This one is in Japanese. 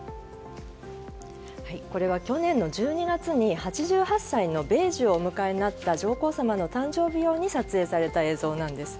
これは去年の１２月に８８歳の米寿をお迎えになった上皇さまの誕生日用に撮影された映像なんです。